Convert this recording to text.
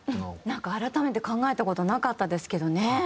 なんか改めて考えた事なかったですけどね。